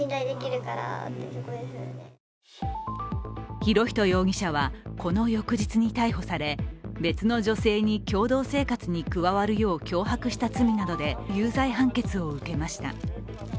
博仁容疑者はこの翌日に逮捕され別の女性に共同生活に加わるよう脅迫した罪などで有罪判決を受けました。